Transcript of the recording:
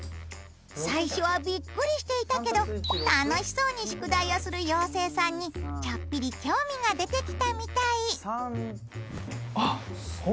最初はビックリしていたけど楽しそうに宿題をする妖精さんにちょっぴり興味が出てきたみたい。